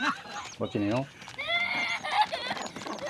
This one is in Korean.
멋지네요.